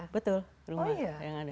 betul rumah yang ada rumah hunian